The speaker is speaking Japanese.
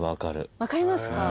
分かりますか？